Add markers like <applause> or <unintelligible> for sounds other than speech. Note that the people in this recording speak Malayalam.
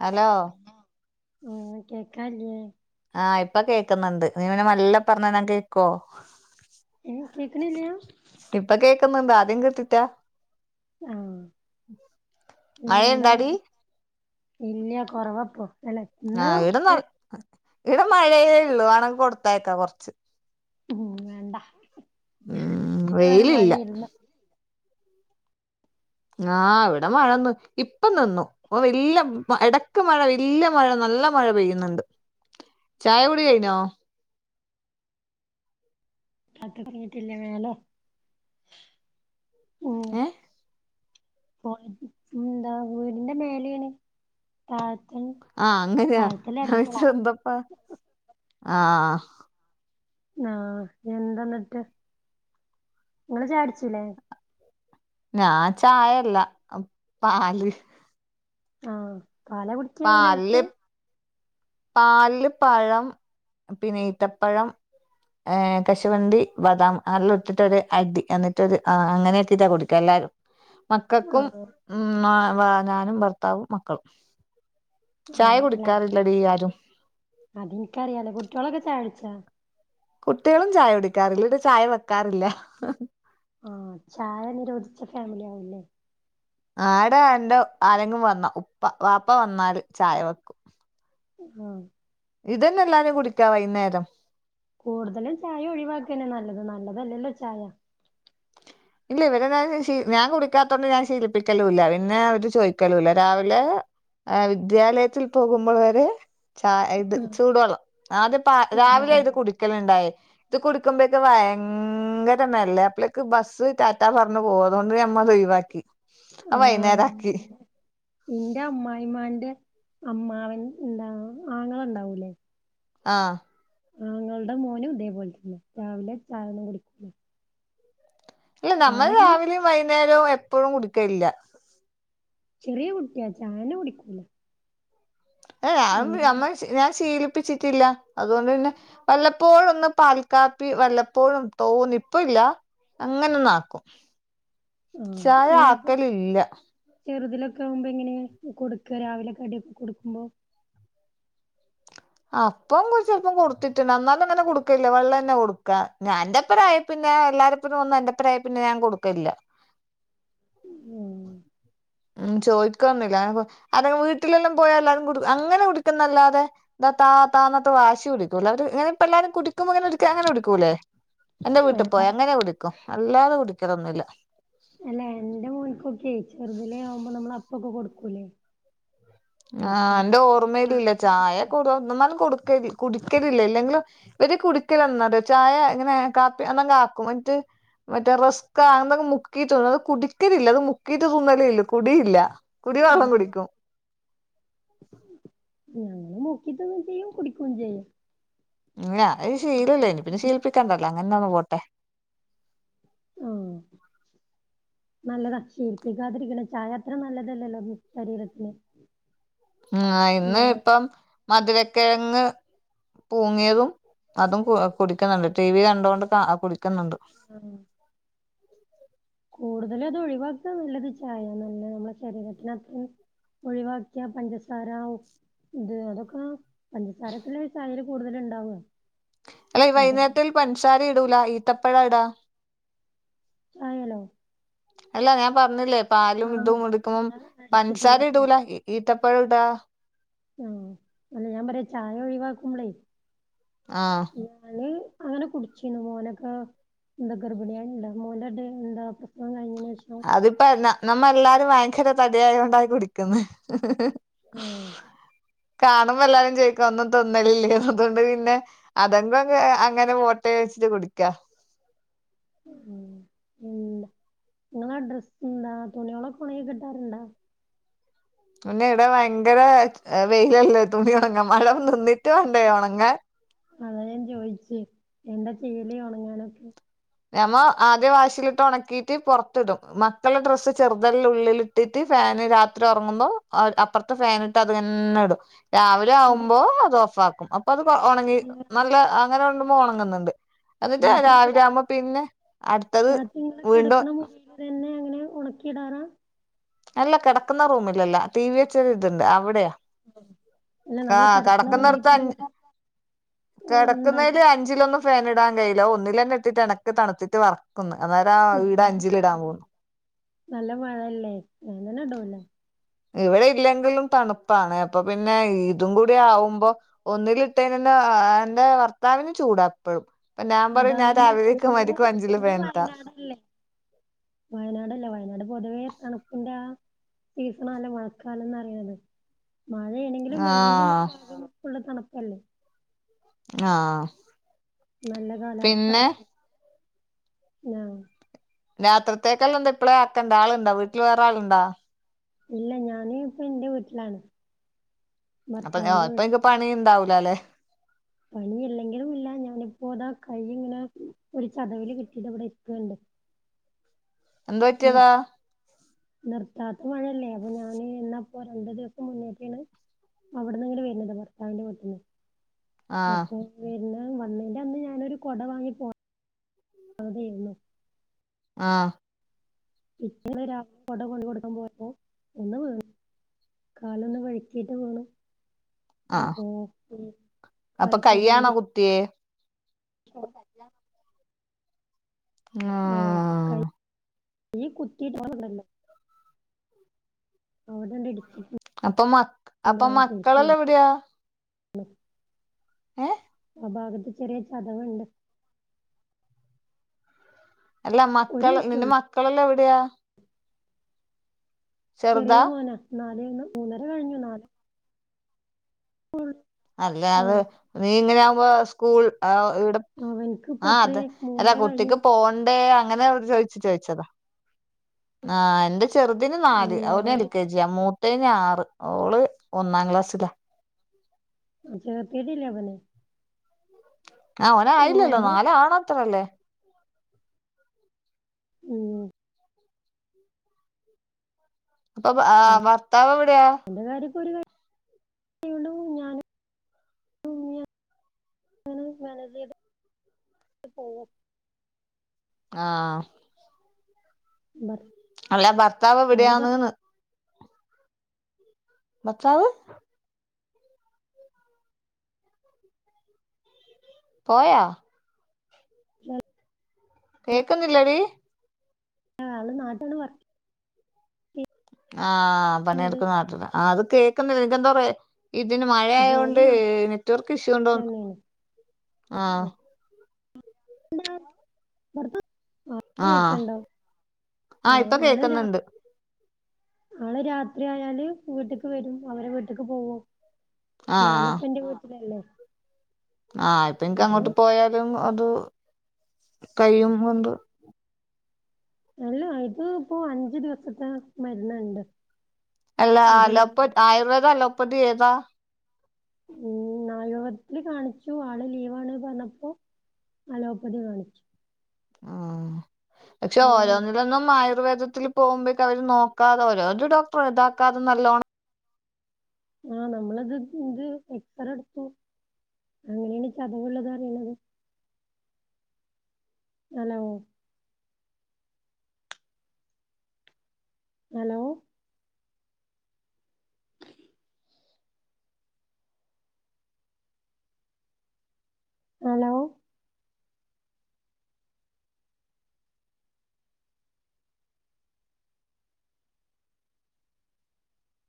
ഹലോ ഉം കേക്കാല്ലെ. ആ ഇപ്പൊ കേക്ക്ന്ന്ണ്ട് നീ പിന്നെ മെല്ല പറഞ ന്നാൻ കേക്കൊ ഏഹ് കേക്കണില്ല്യ. ക്ഷേ ഇപ്പൊ കേക്ക്ന്ന്ണ്ട് ആദ്യം കേട്ട്റ്റ മ്മ് എന്താ മഴയുണ്ടാടി വിശേ ഇല്ല കൊറവ പോ ആ ഇടെ നൽ ഇടെ മഴെള്ളൂ വാണെങ്കി കൊട്ത്തയക്കാ കൊർച്ച് ഉം വേണ്ട ഉം ഇതുവരെ വെയിലില്ല. മഴയിരുന്നു ആഹ് ഇവിടെ മഴന്നു ഇപ്പ നിന്നു. ഓഹ് ഇല്ലം വ എടക്ക് മഴ ഇല്ല മഴ നല്ല മഴ പെയ്യുന്നുണ്ട് ചായ കുടി കഴിഞ്ഞോ? മക്കക്ക് ഒറങ്ങീട്ടില്ല മേലെ. ഓഹ് ഏഹ് <unintelligible> എന്താ വീടിന്റെ മേലേണ് താ. ആഹ് അങ്ങനെയാ ഞാൻ വിച്ചു എന്തപ്പാ ആഹ്. ആഹ് എന്താന്ന്ട്ട് ങ്ങള് ചായുടിച്ചിലേ? ഞാ ചായല്ല അം പാല്. ആഹ് പാലാ കുടിക്യാ ഈ നേരത്ത്? പാലില്‌ പഴം പിന്നെ ഈത്തപ്പഴം. ഏഹ് കശുവണ്ടി ബദാം അരലുട്ടിട്ടൊരു അടി എന്നിട്ട് ഒരു ആഹ് അങ്ങനേട്ടീറ്റാ കുടിക്കാ എല്ലാരും. മക്കക്കും ആഹ് ഉം മാ വാ ഞാനും ഭർത്താവും മക്കളും. ചായ കുടിക്കാറില്ലടീ ആരും. അതിൻക്കറിയാലോ കുട്ട്യോളൊക്കെ ചായുടിച്ചോ കുട്ട്യേളും ചായ കുടിക്കാറില്ല ഇവ്ടെ ചായ വെക്കാറില്ല. ആഹ് ചായ നിരോധിച്ച ഫാമിലി ആവൂല്ലേ. ആട എന്റെ ആരെങ്കും വന്നാ ഉപ്പ വാപ്പ വന്നാല് ചായ വെക്കും. ആഹ് ഇതന്നെ ല്ലാരും കുടിക്കാ വൈന്നേരം. കൂടുതലും ചായ ഒഴിവാക്കന്നെ നല്ലത് നല്ലതല്ലല്ലോ ചായ. ഇല്ല ഇവരെ ഞാന് ശി ഞാൻ കുടിക്കാത്തോണ്ട് ഞാൻ ശീലിപ്പിക്കലൂല്ല പിന്നെ അവര് ചോയിക്കലൂല്ല രാവിലേ. ഏഹ് വിദ്യാലയത്തിൽ പോകുമ്പോൾ വരെ? ചാ ഇത് ചൂടുവെള്ളംഅദ്യം പാ രാവിലെ ഇത് സാധാ കുടി. ക്കല്ണ്ടായി ഇത് കുടിക്കുമ്പക്ക് വയങ്കര മെല്ലെ അപ്പളേക്ക് ബസ്. ടാറ്റാ പറഞ്ഞു പോവും അതുകൊണ്ട് ഞമ്മതൊഴിവാക്കി. ആഹ് <unintelligible> ഇന്റെ അമ്മായിമ്മാന്റെ അമ്മാവൻ ന്താ ആങ്ങള ണ്ടാവൂലേ ആഹ് ആങ്ങൾടെ മോനും ഇതേപോലത്തന്നെ രാവിലെ ചായൊന്നും കുടിക്കൂല ഇല്ല നമ്മൾ ചായന്നെ രാവിലിം വൈന്നേരും എപ്പഴും കുടിക്കലില്ല. ചെറിയ കുട്ടിയാ ചായന്നെ കുടിക്കൂല. ഏഹ് ഞാനും അങ്ങനെ നമ്മ ഞാൻ ശീലിപ്പിച്ചിട്ടില്ല അതുകൊണ്ടന്നെ വല്ലപ്പോഴൊന്ന് പാൽക്കാപ്പി വല്ലപ്പോഴും തോന്നി ഇപ്പ ഇല്ല. അങ്ങെനൊന്നാക്കും. ആഹ് ചായ അല്ല അപ്പൊ ആക്കലില്ല. ചെറുതിലൊക്കെ ആവുമ്പോ എങ്ങനെയാ കൊടുക്ക രാവിലെ കടിയൊക്കെ കൊടുക്കുമ്പോ അപ്പം കുറച്ചാല്പ് ചെലപ്പം കൊടുത്തിട്ടുണ്ട് അന്നാന്നങ്ങനെ കൊടുക്കല്ല വെള്ളെന്ന കൊടുക്കാ <unintelligible> പിന്നെ എല്ലാരപ്പനും ഒന്നും എന്റെപ്പരായെപ്പിന്നെ ഞാൻ കൊടുക്കൽല്ല. ഏഹ് ഉം ചോയ്ക്കൊന്നില്ല അങ്ങനെ അല്ലെങ്കി വീട്ടിലെല്ലാം പോയാ എല്ലാരും കൊടുക്കും അങ്ങനെ കുടിക്കുംന്നല്ലാതെ ഇതാ താ താ വന്നിട്ട് വാശി പിടിക്കൂല. അവര് ഇങ്ങനെ പിള്ളാര് കുടിക്കുമ്പോ ഇങ്ങനെക്ക അങ്ങനെ കുടിക്കൂല്ലേ എന്റെ വീട്ട് ആഹ് പോയാ അങ്ങനെ കുടിക്കും അല്ലാതെ കുടിക്കലൊന്നുല്ല. എല്ല എന്റെ മോൻക്കൊക്കെ ചെറുതിലെ ആവുമ്പം നമ്മളപ്പൊക്കെ കൊടുക്കൂല്ലേ ആഹ്. എന്റെ ഓർമ്മയിലില്ല ചായേല് ചായ ഉപ്പിട്ട് കൊടു ഒന്നമാലും കൊടുക്കല് കുടിക്കലില്ല ഇല്ലെങ്കിലും ഇവര് കുടിക്കലെന്നാറിയോ ചായ ഇങ്ങനെ കാപ്പി എന്നങ്കാക്കും ന്ന്ട്ട് മറ്റേ റസ്ക്കാ അയ്ന്നങ്ങ് മുക്കീട്ടൊളളു അത് കുടിക്കലില്ല അത് മുക്കീട്ട് തിന്നലേ ല്ലു കുടിയില്ല കുടി ആഹ് വള്ളം കുടിക്കും. ഞങ്ങൾ മുക്കീട്ട് തിന്നും ചെയ്യും കുടിക്കും ചെയ്യും. ഏ അത് ശീലല്ലേ ഇനി പിന്നെ ശീലിപ്പിക്കണ്ടല്ലോ അങ്ങനെന്ന പോട്ടെ ഓഹ നല്ലത് ശീലിപ്പിക്കാതിരിക്കണ ചായ അത്ര നല്ലതല്ലല്ലോ ശരീരത്തിന് ആഹ് ഇന്ന് ഇപ്പം മധുരക്കിഴങ്ങ് പൂങ്ങിയതും അതും കു കുടിക്കുന്നുണ്ട് ടി വി കണ്ടോണ്ട് കുടിക്കുന്നുണ്ട്. ആഹ് കൂടുതല് അത് ഒഴിവാക്കാ നല്ലത് ചായ നല്ല നമ്മുടെ ശരീരത്തിന് അത്രയും ഒഴിവാക്കിയ പഞ്ചസാര ഇത് അതൊക്ക പഞ്ചസാരത്തില് ചായേല് കൂടുതല്ണ്ടാവും അല്ലെ ഈ വൈന്നേരത്തേൽ പൻസാര ഇടൂല ഈത്തപ്പയാ ഇടാ ചായേലോ അല്ല ഞാൻ പറഞ്ഞില്ലേ പാലും ആഹ് ഇതും എടുക്കുമ്പം അടിച്ചിട്ട് പൻസാര ഇടൂല ഈത്തപ്പഴം ഇടാ ആഹ് അല്ല ഞാൻ പറയാ ചായ ഒഴിവാക്കുമ്പളേ ആഹ് ഞാന് അങ്ങനെ കുടിച്ചിരുന്നു മോനൊക്കെ എന്താ ഗർഭിണിയണിയള്ണ്ടോ മോള്ടെന്താ എന്താ പ്രസവം കഴിഞ്ഞേന് ഷെ അതിപ്പ ന്ന നമ്മെല്ലാരും ഭയങ്കര തടിയായണ്ട കുടിക്കുന്നെ ആഹ് കാണുമ്പോല്ലരും ചോയിക്കും ഒന്നും തിന്നലില്ലേ അതുകൊണ്ട് പിന്നെ അതെങ്കും അ അങ്ങനെ പോട്ടേ വെച്ചിട്ട് കുടിക്കാ ഉം ങ്ങളെ അഡ്രസ് എന്താ തുണിയളൊക്കെ ഒണങ്ങി കിട്ടാറുണ്ടാ പിന്നെ വിടെ ഭയങ്കര വെയിലല്ലേ തുണി ഒണങ്ങ മഴം നിന്നിട്ട് വാണ്ടേ ഒണങ്ങാൻ അതാ ഞാൻ ചോയിച്ചേ എന്താ ചെയ്യല് ഒണങ്ങാനൊക്കെ ഞമ്മ ആദ്യ വാഷിലിട്ട് ഒണക്കീട്ട് പൊറത്തിടും മക്കളുടെ ഡ്രസ്സ് ചെറുതല്ലെ ഉള്ളിൽ <unintelligible> ഫാന് രാത്രി ഒറങ്ങുമ്പോ അപ്പർത്തെ ഫാനിട്ട് അതെന്നെ ഇടും. കട രാവിലാവുമ്പോ അത് ഓഫ് ആക്കും അപ്പൊ അത് ഒണങ്ങി നല്ല അങ്ങനെ ഉണ്ട്മ്പോ ഒണങ്ങുന്നുണ്ട്. എന്നിട്ട് രാവിലെ രാത്രികള് ആവുമ്പോ പിന്നെ അട്ത്തത് വീണ്ടും അതന്നെ അങ്ങനെ ഒണക്കിടാറാ അല്ല കെടക്കുന്ന റൂമിലല്ല ടി വി വെച്ച ഇതുണ്ട് അവിടെയാ അല്ല നമ്മള് ആഹ് കിടക്കണ മുറിയിൽ കെട്ക്ക്ന്നോട്ത്ത് തന്നെ അഞ് ഇങ്ങനെ ഓ കെടക്ക്ന്നെല് എന്തായാലും അഞ്ച് അഞ്ചിലൊന്നും ഫാനിടാൻ കയ്ല ഒന്നിലെന്നെട്ടിട്ട് എണക്ക് തണുത്തിട്ട് വെറ ക്കും അതയത ഈടെ അഞ്ചിലിടാൻ പോന്ന് നല്ല മഴല്ലേ ഞാൻ തന്നെടൂല്ല ഇവിടെ ഇല്ലെങ്കിലും തണുപ്പാണ് അപ്പൊ പിന്നെ ഇതും കൂടി ആവുമ്പോ ഒന്നിലിട്ടേനെന്നെ എന്റെ ഭർത്താവിന് ചൂടാ എപ്പഴും പ്പ ഞാൻ പറിം അതാ ഞാൻ മറന്നു രാവിലെക്കെ മരിക്കും നിങ്ങള് അഞ്ചില് നിങ്ങള് ഫേൻട്ടാന്ന് വയനാട്ല്ല വയനാട് പൊതുവേ തണുപ്പിന്റെ സീസണാല്ലേ മഴക്കാലംന്ന് അറിണത് മയേണെങ്കിലും അല്ലെങ്കിലും ആഹ് ഫുള്ള് തണുപ്പല്ലേ ആഹ് നല്ല കാലാവസ്ഥള്ള പിന്നെ സ്ഥ ഞാ രാത്രിത്തേക്കല്ലാം എന്ത്‌പ്പളാ അക്കേണ്ടാ ആള്ണ്ടാ വീട്ടില് വേറെ ആളുണ്ടോ? ഇല്ല ഞാന് പ്പ ഇന്റെ വീട്ടിലാണ് ഭർത്താവിന്റെ വീട്ട് ണ്ടാവൂലല്ലേ? പനി ഇല്ലെങ്കിലും ഇല്ല ഞാനിപ്പോ അതാ കൈ ഇങ്ങനെ ഒരു ചതവിൽ കെട്ടിട്ട് അവിടെര്ക്ക്ണ്ട് എന്തു പറ്റിയതാ നിർത്താത്ത മഴല്ലേ അപ്പൊ ഞാന് എന്നപ്പോ രണ്ടു ദിവസം മുന്നോട്ടാണ് അവിട്ന്ന് ഇങ്ങട് വരുന്നത ഭർത്താവിന്റെ വീട്ട്ന്ന് ആഹ് അപ്പൊ വര്ന്ന വന്നേന്റെ അന്ന് ഞാനൊരു കൊട വാങ്ങിപ്പോ ന്നതേനു. ആഹ <unintelligible> കൊടുക്കാൻ പോയപ്പോ ഒട്ന്ന വീണ കാലൊന്ന് വഴക്കിട്ട് വീണു ആഹ് അപ്പൊ അപ്പൊ വലത്തി കയ്യിന്റെ <inaudible> <unintelligible> ആഹ് ആഹ് <unintelligible> കുത്തിട്ട് <inaudible> <unintelligible> അപ്പൊ അപ്പൊ പേടിച്ചു പോയി മക്കളെല്ലാം എവിടെയാ ഏഹ് ആ ഭാഗത്ത് ചെറിയ ചതവുണ്ട് അല്ല ഒരു മക്കൾ നിന്റെ കുട്ടിയുള്ളൂ മക്കളല്ലാം എവിടെയാ ചെറിയ ചെറുതാ മോന നാലീന്നു മൂന്നര കഴിഞ്ഞു നാല് <unintelligible> ആ അല്ലത് നീ ഇങ്ങനെ ആകുമ്പോ സ്കൂൾ ആ ഇവിടെ അവൻക്കിപ്പ ആഹ് എത്രേ അത് അല്ലാ മൂന്നര കഴിഞ്ഞു കുട്ടിക്ക് പോണ്ടേ അങ്ങനെ അവര് ചോദിച്ച ചോയ്ച്ചതാ ആ എന്റെ ചെറുതിന് നാല് ഇല്ല അവന് എൽ ഓന് കെ ജി ന്റെ മൂത്തതിന് ആറ് ഓള് ഒന്നാം ക്ലാസ്സില ആഹ് ചേർത്തീട്ടില്ലവനെ ആഹ് ഓന് ആയില്ലല്ലോ ഓന്റെ നാല് ആകണാത്രല്ലേ ഉം അപ്പൊ ഭ- ആ, <unintelligible> ഭർത്താവ് എവിടെയാ <unintelligible> മനേജ് ചെയ്ത് പോകും ആഹ് ഭർ അല്ല ഭർത്താവ് എവിടെയാണ്ന്ന് ഭർത്താവ് പോയോ <unintelligible> കേക്കുന്നില്ലടി ആഹ് ആള് നാട്ട്ന്ന് വർക് ആഹ് ചെയ്യണത് പണിയെടുക്കുന്നേ നാട്ടില ആ അത് കേൾക്കുന്നില്ല നിനിക്കെന്താ റേ ഇതിന് ജോലി മഴയായത്കൊണ്ട് നാട്ടിൽ നെറ്റ് വർക്ക് ഇഷ്യൂ ഉണ്ടോന്നുന്നു തന്നെയാണ് ആ <unintelligible> ആ കേക്കണ്ടോ ആ ഇപ്പൊ ആള് കേക്കുന്നുണ്ട് രാവ്‌ ആള് രാത്രി ആയാല് വീട്ട്ക്ക് വരും അവരെ വീട്ട്ക്ക് പോവും ആഹ് ഞാനിപ്പോ എന്റെ വീട്ടിലല്ലേ ആഹ് ഇപ്പ എനിക്ക് ഞാന് അങ്ങോട്ട് പോയാലും അത് <unintelligible> അല്ല ഇത് ഇപ്പോ അഞ്ചു ദിവസത്തെ മരന്ന്ണ്ട് അല്ല അലോപ്പ ആയുർവേദ അലോപ്പതി ഏതാ ഉം ആയുർവേദത്തിൽ കാണിച്ചു ആള് ലീവാണ് പറഞ്ഞപ്പോ അലോപ്പതി കാണിച്ചു ഉം പക്ഷെ അപ്പൊ ഓരോന്നിലൊന്നും ആയുർവേദത്തിൽ പോകുമ്പോഴക്കും അവര് നോക്കാതെ വരും ഡോക്ടർ ഇതാക്കാതെ നല്ലോണ്ണം ആഹ് നമ്മളത് ഇന്ത് എക്സറേ എടുത്തു അങ്ങനെയാണ് ചതവുള്ളതറിഞ്ഞത് ആണോ ഹലോ ഹലോ